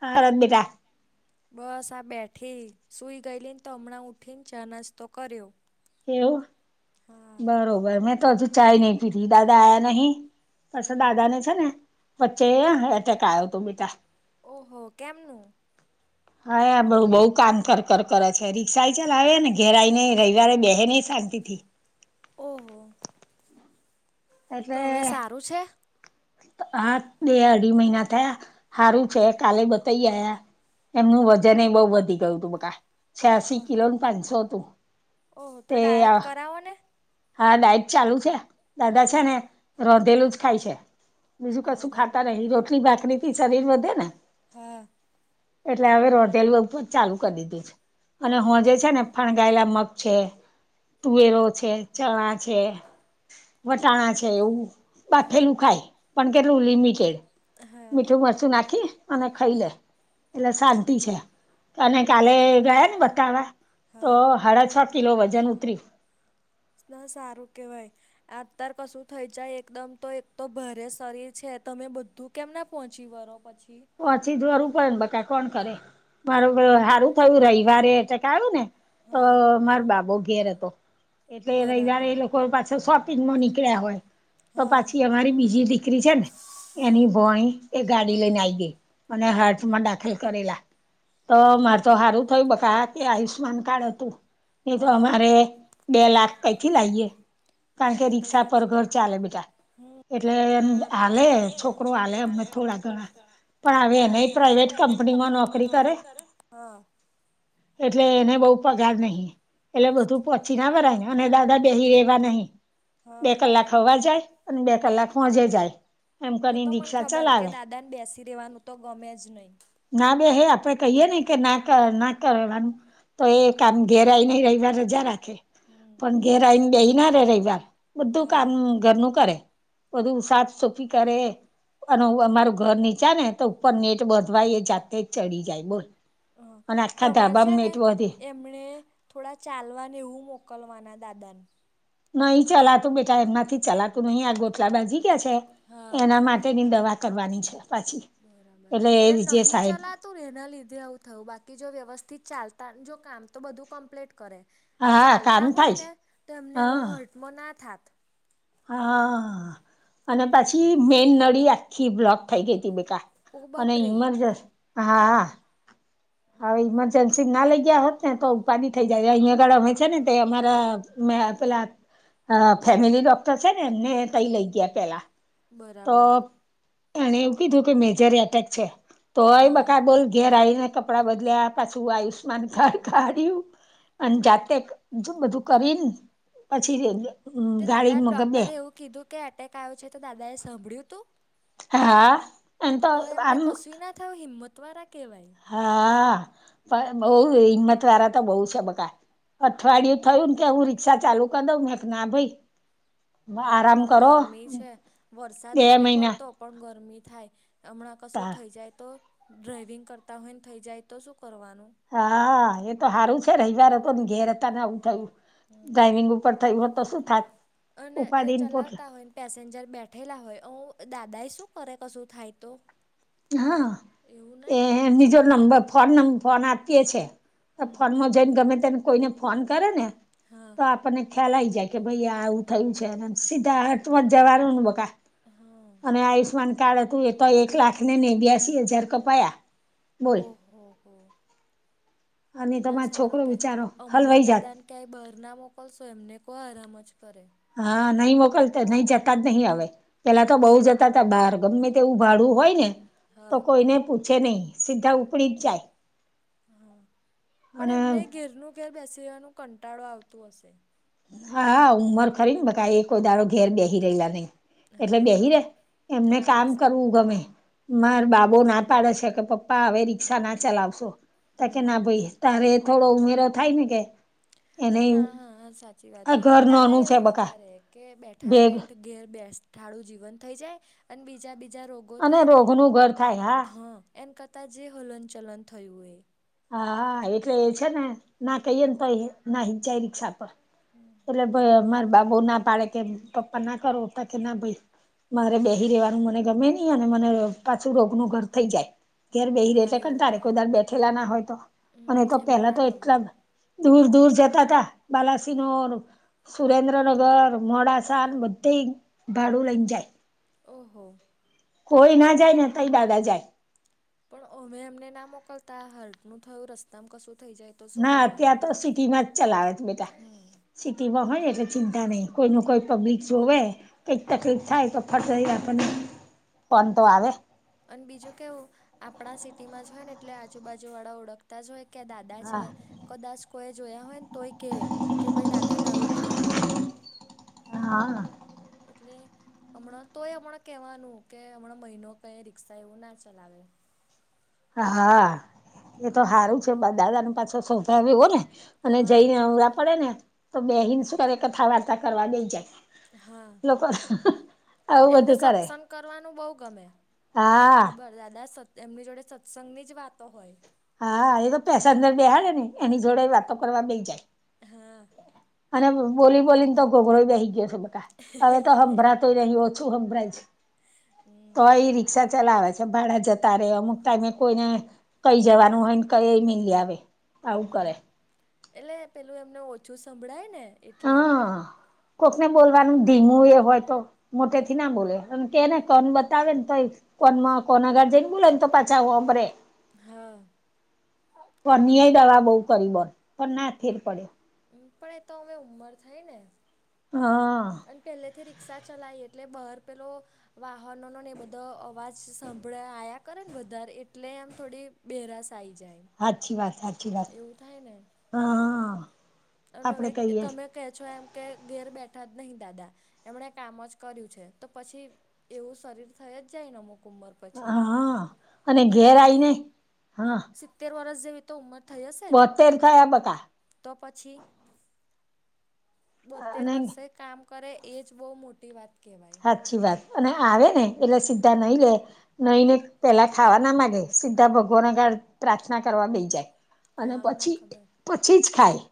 હા [unintelligible] બસ આ બેઠી સૂઈ ગયેલી ને હમણાં ઊઠીને ચા નાસતો કર્યો. એવું, હા. બરોબર મેં તો હજુ ચાય નહી પીધી દાદા આયા નહી. પછી હમ દાદા ને છે, ને વચ્ચે હમ એટેક આવ્યો હતો બેટા. ઓહો કેમનું? હા બ બહુ કામ કર કર કરે છે, રિક્ષા ચલાવે ને ઘેરાઈને રવિવારે બે શાંતિથી. ઓહો. તો એટલે હવે સારું છે? હા બે અઢી મહિના થયા સારું છે, કાલે બતાવી આવ્યા. હમ એમનું હમ વજન એ બઉુ વધી ગયું હતું બકા છયાસી કિલોનું પાંચસો તું. ઓહ! તો ડાયટ કરાવો ને? હા ડાયટ ચાલુ છે, દાદા છે હમ ને રોંધેલું જ ખાય છે. બીજું કશું બરાબર ખાતા નહીં રોટલી બાખરી થી શરીર વધે ને. હા. એટલે હવે રોટેલ ઉપ ચાલુ કરી દીધું છે, અને હું જે છે ને ના ગાયેલા મગ છે, તુવેરો છે, ચણા છે. વટાણા છે, એવું બાફેલું ખાય. પણ કેટલું લિમિટેડ, હા મીઠું મરચું નાખી અને ખાઈ લે. એટલે શાંતિ છે. અને કાલે બરાબર. ગયા ને બતાવા, તો હા સાડા છ કિલો વજન ઉતર્યું. ના સારું કેહેવાય. આતાર કશું થઈ જાય એકદમ તો એક તો ભરે શરીર છે તમે બધું કેમનાં પહોંચી વળરો પછી. ઓછી જ વારું પડે ને બક કોણ કરે. માર હા સારું થયું રવિવારે અટક આવ્યું ને, હા મારો બાબો ઘેર હતો. એટલે રવિવારે બરાબર. એ લોકો પાસે શોપિંગમાં નીકળ્યા હોય. તો હા પછી અમારી બીજી દીકરી છે ને, હા એની ભોણી એ ગાડી હા લઈને આઈ ગઈ. અને હારથમાં દાખલ કરેલા, તો મારે ઓ તો સારું થય બકાત. એ આયુષ્માન કાર્ડ હતું. નહી તો હા અમારે બે લાખ કૈથી લાઈએ? કારણ કે એ તો રિક્ષા પર સાચી ઘર વાત ચાલે બધા. હમ એટલે એમ હાલે, છોકરો હાલે અમને થોડા ઘણા. પણ હવે એનેઈ પ્રાઇવેટ કંપનીમાં નોકરી કરે હા એટલે એને બઉ પગાર નહીં. એટલે બધું પછ છી ના ભરાઈ. અને દાદા બેહી રહેવા નહીં. બે હા કલાક [unintelligible] જાય અને બે કલાક હોજે જાય. એમ એ તો કરીને મને રિક્ષા ખબર કે ચલાવે દાદાને બેસી રહેેવાનું તો ગમે જ નહીં. ના બેહે. આપણે કહીએ ને કે ના કર ના કરવાનું તો એ કામ ઘેરાઈ નહીં, રઈવાર રજા રાખે. હમ પણ ઘેર આઈન બેહી ના રહે રઈવાર. બધું હા કામ ઘરનું કરે. બધું સાફ-સુફી કરે, અને અમારું ઘર નીચા ને તો ઉપર નેટ બધલા એ જાતે જ ચડી જાય બોલ. હા અને આખા તમારે ધાબામ છે ને નેટ વધે. એમણે થોડા ચાલવા ને એવું મોકલવાના દાદાન. નહીં ચલાતું બેટા, એમનાથી ચલાતું નહીં, આ ગોટલા બાજી ગયા છે હા એના માટેની દવા કરવાની છે. પાછી બરાબર. એટલે એ જે નહીં સાહેબ ચલાત તું એના લીધે આવું થયું. બાકી જો વ્યવસ્થિત ચાલતાન, જો કામ તો બધું કમ્પ્લીટ કરે. હા કામ ચાલતા હોય થાય ને તો એમને એવું હા હટમ ના થાત. હા. અને પાછી મેન નળી આખી બ્લોક થઈ ગઈ તી બેકા. ઓ અને બાપરે ઈમરજસ, હા. હવે ઈમરજન્સ સી ના લઈ ગયા હોત ને તો ઉપાધી થઈ જાય. અહીયાં આગળ અમે છે ને તે અમારા મે પેલા અહ ફેમિલી ડોક્ટર છે ને એમને તઈ લઈ ગયા પહેલા. તો બરાબર એને એવું કીધું કે મેજર એટેક છે. તોઈ હા બકા બોલ ઘેર આઈને કપડાં બદલ્યા, પાછું આયુષ્માન કાર્ડ કાઢ્યું. અન જાતેક જો બધું કરીન પછી [unintelligible] તે ગાડી દાદાને મગ બે ડોક્ટરે એવું કીધું કે એટેક આવ્યો છે? તો દાદાએ સાંભળ્યું તું? હા. એમ તો તોય એમને આમ કશું ના થયું? હિંમત વાળા કેહેવાય. હા. પણ બહું હિંમત વાળા તો બહુ છે બકા. અઠવાડિયું થયું ને કે હું રિક્ષા ચાલુ કરી દઉં? મેં કી ના ભઈ. ના હવ ગરમી છે. વરસાદ બે ભલે મહિના પડતો પણ ગરમી થાય. હમણાં કશું તા થઈ જાય તો? ડ્રાઈવિંગ કરતા હોય ને થઈ જાય તો શું કરવાનું? હા. એ તો હારું છે રઈવાર હતોન, ઘેર હતા ને આવું થયું. હમ ડ્રાઈવિંગ ઉપર થયું હોત તો શું થાત? અને એ ઉપાધીન પોટલા. ચલાવતા હોય ને પેસેન્જર બેઠેલા હોય, ઓ દાદા એ શું કરે કશું થાય તો? હા. એવું એ નહી નિજો નંબર ફોન નં ફોન આપીએ છે. એ હમ ફોનમાં જેન ગમે તેને કોઈને ફોન કરે ને, હા તો આપ પણને ખ્યાલ આવી જાય કે ભઈ આ આવું થયું છે. અને સીધા અર્થમાં જવાનુંન બકા. હા અને આયુષ્માન કાર્ડ હતું એ તો એક લાખ ને નેવ્યાંસી હજાર કપાયા. બોલ ઓહો-હો-હો! અને ના તમારો સારું છોકરો કે. બિચારો હમણાં હલવાઈ જાત દાદાને ક્યાંય બહર ના મોકલશો, એમને કહો આરામ જ કરે. હા. નહીં મોકલતા, નહીં જતા જ નહીં હવે. પહેલા તો બહુ જતા તા બહાર. ગમે તેવું ભાડું હોય ને તો હા કોઈને પૂછે નહીં, સીધા ઉપડી જ જાય. હા પણ અને એમને ઘેરનું ઘેર બેસી રેવાનું કંટાળો આવતો હશે.? હા ઉંમર ખરી ને બધા એ કોઈ દડો ઘેર બેહી રહેલા નહી. એટલે હા બેહી રે એમને ના કામ બેસી રહે કરવું ગમે મારો હમ બાબો ના પાડે છે કે પપ્પા હવે રીક્ષા ના ચલાવશો તો કે હમ ના ભાઈ તારે થોડો ઉમેરો થાય ને કે એને અને ના હા સાચી વાત આ ઘર દાદા નોનું છે એવું બકા વિચારે કે બેઠા ભેગ બેઠ ઘેર બેઠાળું જીવન થઈ જાય અને બીજા બીજા રોગ ગો અને રોગનું ઘર થાય હા એમ કરતા જે હલન ચલન થયું એ. હા એટલે એ છે ને ના કહીએ ને તો ના હિંચાઈ રિક્ષા પર.. એટલે ભાઈ અમારે બાબુ ના પાડે કે પપ્પા ના કરો હતા કે ના ભાઈ મારે બેહી રહેેવાનું મને ગમે નહી અને મને પાછું રોગ નું ઘર થઈ જાય. ઘેર બેસી રે હા એટલે એવું કંટાળે થાય કોઈ દાડે બેઠા ના હોય તો અને હમ એમને પેલા ના તો ગમે એટલા દૂર દૂર જતા તા બાલાસીનોર સુરેન્દ્રનગર, મોડાસા બધે ભાડું લઇ જાય. ઓહો! કોઈ ના જાય ને તઈ દાદા જાય. પણ અમે એમને ના મોકલતા હારુ નું થયું રસ્તામાં કશું થઈ જાય. તો શું ના કરવાનું અત્યારે તો સિટીમાં જ ચલાવે છે બેટા. હમ સિટીમાં હોય એટલે ચિંતા નહી કોઈ ને કોઈ પબ્લિક જેવુ કંઈક હમ તકલીફ થાય તો ફટ દઈને આ પણે ફોનતો આવે. અને બીજું કેવું આપણા સિટીમાં જ હોય ને એટલે આજુબાજુ વાળા ઓળખતા જ હોય કે દાદા છે. હા કદાચ કોઈએ જોયા હોય ને તોય કહે કે ભાઈ દાદા નવું થયું એમ. હા એટલે, હમણાં તોય હમણાં કેહેવાનું કે હમણાં મહિનો કઈ રિક્ષા એવું ના ચલાવે. હા એ તો સારું છે દાદાને પાછો સ્વભાવ એવો ને? અને હા જઈને અવરા પડે ને તો બેહીન સુ કરે કથા વાર્તા કરવા બેસી જાય. હા લો બસ, એમને સત્સંગ કરવાનું બહુ ગમે એ મને હા ખબર દાદા સતસં એમની જોડે સત્સંગની જ વાતો હોય. હા એ તો પેસેન્જર બેહાડે ને એની જોડે વાતો કરવા બેઈ જાય. હા અને બોલી બોલીને તો ગોઘરો બેહી ગયો છે બકા હવે તો હંભરા તો નહી ઓછું સંભળાય છે. હમ તોય રી રિક્ષા ચલાવે છે ભાડા જતા રહે અમુક ટાઈમે કોઈને કઈ જવાનું હોય ને કઈ મેલી આવે. આવું હમ કરે એટલે પેલું એમને ઓછું સંભળાય ને એટલે, હા કોકને બોલવાનું ધીમું એ હોય તો મોટે થી ના બોલે અને કેને કોન બતાવે ને તોય કોન કોનાગાર્જન બોલે ને તો પાછાે [unintelligible] હા [inaudible] એવું થાય દવા બવ કરી બન પણ ના ફેર પડ્યો. મ પણ એ તો અમે ઉંમર થાય ને? હા અને પહેલેથી રિક્ષા ચલાવી એટલે બહાર પેલો વાહનો નો ને એ બધો અવાજ સાંભળાયા કરે ને બારે એટલે આમ થોડી બેરાશ આઇ જાય. હાચી વાત હાચી વાત, એવું થાય ને હંમમ. અને ઍ તમે કહે છો એમ કે ઘેર બેઠા જ નહી દાદા, એમને કામ જ કર્યું છે તો પછી એવું શરીર થઈ જ જાયને અમુક ઉંમર પર પછી, હા અને ઘેર મેં આઈને હા સિત્તેર વર્ષ જેવી તો ઉંમર થઈ હશે ને? બોતેર થયા બકા તો પછી, બોતેર અને વર્ષે કામ કરે એ જ બહુ મોટી વાત કહેવાય. સાચી વાત અને આવે ને એટલે સીધા નાહી લે. નાહીને પેલા ખાવા ના માંડે સીધા ભગવાન આગળ પ્રાર્થના કરવા બેસી જાય. અને હા મને પછી ખબર પછી જ ખાય,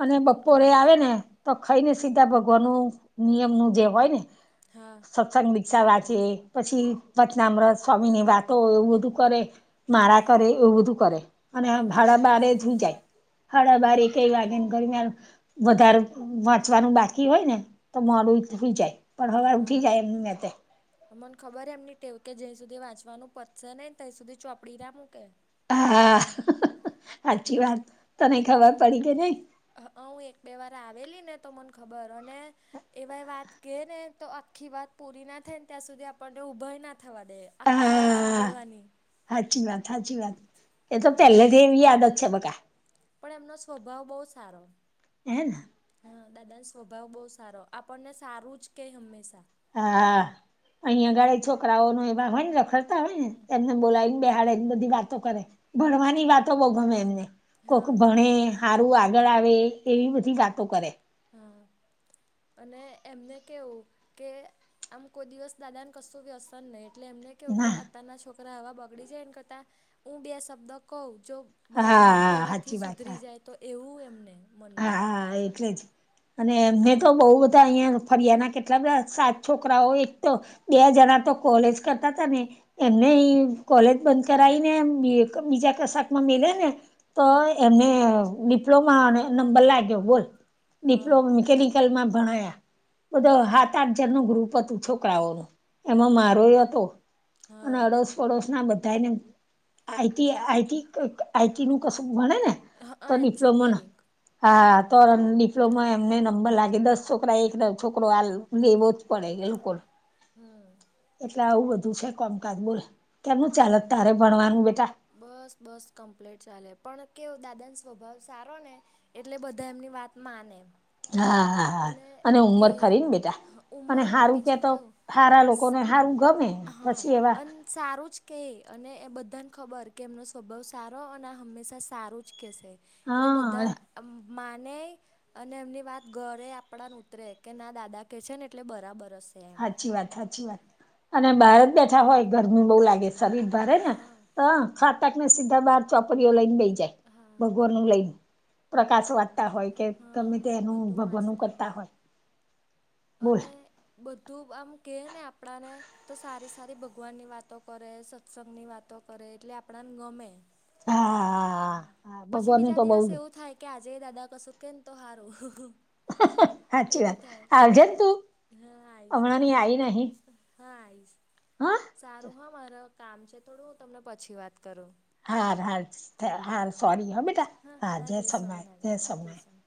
અને મને બપોરે ખબર આવે છે ને તો ખાઈને સીધા ભગવાનું નિયમનું જે હોય ને. હા. સત્સંગ દિક્ષા વાંચે પછી ભચનામ્રત સ્વામી ની વાતો એવું બધું કરે. માળા હા કરે એવું બધું કરે, અને હા મને સાડા ખબર બારે છે સુઇ જાય. હાડા બાર હમ એકેય વાગે વધારે વાંચવાનું બાકી હોય ને તો મોડું થઈ જાય. હવે ઉઠી હા. જાય એમની મેં તે. મને ખબર એમની ટેવ કે જ્યાં સુધી વાચવાનું પતસે ત્યાં સુધી ચોપડી ના મૂકે. હા સાચી ના વાત, તને ખબર પડી કે નઈ. હંઅ હું એક બે વાર આવેલી ને તો મને ખબર અને એવા વાત કહે ને તો આખી વાત પૂરી ના થાય ને ત્યાં સુધી આપણને ઊભા ના થવા દે. આખી વાત હા સાંભળવાની. સાચી વાત સાચી વાત, એ તો હમ પહેલેથી જ એવી આદત છેં બકા. પણ એમનો સ્વભાવ બહુ સારો. એન. હા દાદા સ્વભાવ બહુ સારો આપણને સારું જ કે હંમેશા. હા, અહીંયાગળ છોકરાઓ ન એ હોય ને રખડતા હોય ને હમ એમને બોલાવી બેહાડે એ બધી વાતો કરે, હમ ભણવાની વાતો બવ ગમે એને કોક હા ભણે. સારું આગળ આવે એવી બધી વાતો કરે. હા અને એમને કેવું કે આમ કોઈ દિવસ દાદાને કશું ભી અસર નહી એટલે એમને કેવ કે ના અત્યારના છોકરા એવા બગડી જાય એને કરતા, હું બે શબ્દ કવ જો હા એમના હા કહેવાથી સાચી વાત સુધરી હા જાય તો એવું એમને. મનમાં હા એટલે જ, અને હમ એમને તો બહ બધા અહિયા ફરિયાદ કેટલા બધાં સાત છોકરાઓ એક તો, બે જણા તો કોલેજ કરતા હતા ને. એમને કોલેજ બંધ કરાવીને બીજા કશાકમાં મેલે ને. તો હમ એમને ડિપ્લોમાને નંબર લાગ્યો બોલ, હા ડિપ્લોમા મિકેનિકલ માં ભણયા, બધા સાત આઠ જણ નું ગ્રુપ હતું છોકરાઓ. એમાં બરાબર મારોય હતો, અને હા અડસ પડોશ ના બધાને આઈટી આઈટી આઈટી નું કશું ભણે ને. [unintelligible] એન્જિનિયરિંગ હા તોર ડિપ્લોમા એમને નંબર લાગે દસ છોકરા એક છોકરો આલ લેવોજ પડે એ લોકોન, હમ એટલે આવું બધું છે કોમકાજ બોલ. કેમનું ચાલે છ તારે ભણવાનું બેટા? બસ-બસ કમ્પ્લેટ ચાલે. પણ કેવું દાદાનો સ્વભાવ સારો ને એટલે બધા એમની વાત માને એમ. હા. હા, હા. અને ઉંમર ખરીન બેટા. અને ઉંમર હારું બીજું કેતો કેવું હારા લોકોને હારું ગમે. હા. પછી એવા અન સારું જ કેઈ. અને એ બધાન ખબર કે એમનો સ્વભાવ સારો અને હંમેશા સારું જ કહેશે. એટલે બધા હા આમ માનેઈ અને એમની વાત ગળે આપણાન ઉતરે કે, ના દાદા કેસે ને એટલે બરાબર હશ હાચી વાત-હાચી વાત. અને બહાર જ બેઠા હોય, ગરમી બહુ લાગે, શરીર બળેને હા તો [unintelligible] ને સીધા બહાર ચોપડીઓ લઈન બેઈ જાય. હા ભગવાનનું લઈન. પ્રકાશ વાંચતા હોય કે ગમે હા તે એનું બધું ભગવાનનું વાંચતા કરતા હોય. બોલ અને બધું આમ કેએને આપણાને તો સારી-સારી ભગવાનની વાતો કરે, સત્સંગની વાતો કરે એટલે આપણાને ગમે. હા હમ્મ. હા પછી ભગવાનનું બીજા તો બઉ દિવસ એવું થાય કે આજે દાદા કશું કેનને તો હારુ. હાચી વાત. આવજેન તું. હા હમણાં આઈશ-આઈશ ની હો, આવી નહી હા આઈશ. હા. સારું હા માર કામ છે થોડું. હું તમને પછી વાત કરું. હાર-હાર-હાર સોરી હ બેટા. હા હાર હા જય સોનાથ-જય સ્વામિનારાયણ જય સોમનાથ. સ્વામી